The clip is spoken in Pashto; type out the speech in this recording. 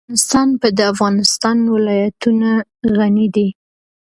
افغانستان په د افغانستان ولايتونه غني دی.